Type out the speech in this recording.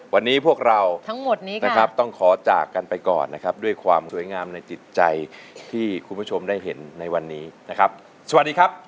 วันนี้พวกเราทั้งหมดนี้นะครับต้องขอจากกันไปก่อนนะครับด้วยความสวยงามในจิตใจที่คุณผู้ชมได้เห็นในวันนี้นะครับสวัสดีครับ